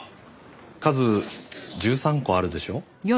数１３個あるでしょ。